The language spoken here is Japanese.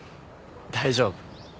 大丈夫。